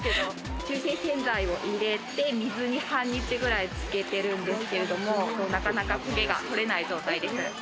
中性洗剤を入れて水に半日くらいつけてるんですけど、なかなか焦げが取れない状態です。